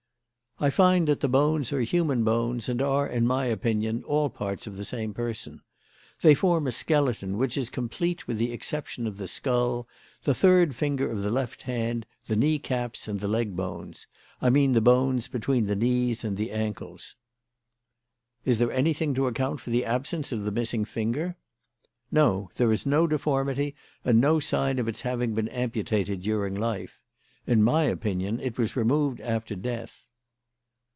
"I find that the bones are human bones, and are, in my opinion, all parts of the same person. They form a skeleton which is complete with the exception of the skull, the third finger of the left hand, the knee caps, and the leg bones I mean the bones between the knees and the ankles." "Is there anything to account for the absence of the missing finger?" "No. There is no deformity and no sign of its having been amputated during life. In my opinion it was removed after death."